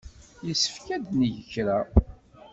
Yessefk ad neg kra.